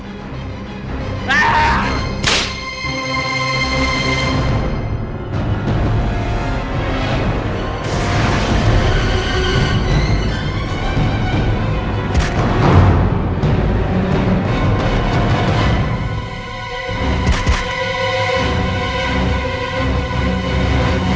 kami sudah menyerang mereka